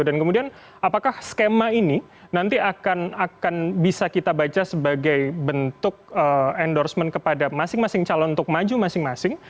dan kemudian apakah skema ini nanti akan bisa kita baca sebagai bentuk endorsement kepada masing masing calon untuk maju masing masing